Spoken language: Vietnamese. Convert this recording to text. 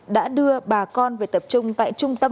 đã đưa bà con về tập trung tại trung tâm